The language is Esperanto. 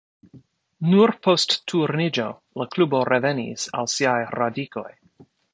Nur post Turniĝo la klubo revenis al siaj radikoj.